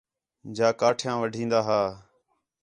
جا کاٹھیاں وڈھین٘دا ہا